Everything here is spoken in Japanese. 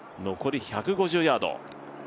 残り１５０ヤード。